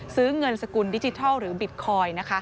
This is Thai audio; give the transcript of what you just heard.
ซื้อเงินสกุลดิจิทัลหรือบิตคอยน์